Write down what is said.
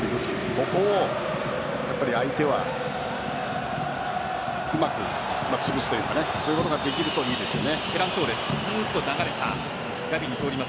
ここを相手はうまくつぶすというかそういうことができるといいですね。